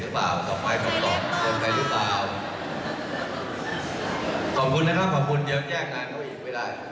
มามาร้องกูข้างนมาเร็ว